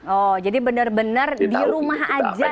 oh jadi bener bener di rumah aja ya